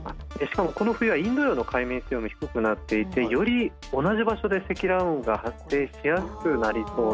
しかもこの冬はインド洋の海面水温も低くなっていてより同じ場所で積乱雲が発生しやすくなりそうなんです。